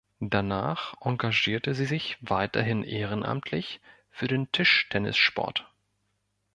Danach engagierte sie sich weiterhin ehrenamtlich für den Tischtennissport.